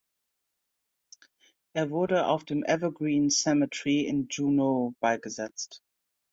Er wurde auf dem "Evergreen Cemetery" in Juneau beigesetzt.